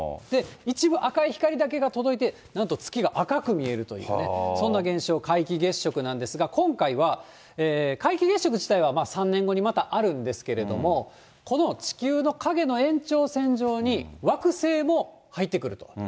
一部赤い光だけが届いて、なんと月が赤く見えるというね、そんな現象、皆既月食なんですが、今回は皆既月食自体は３年後にまたあるんですけれども、この地球の影の延長線上に、惑星も入ってくると。